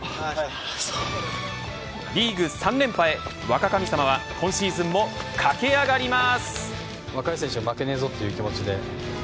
リーグ３連覇へ若神様は今シーズンも駆け上がります。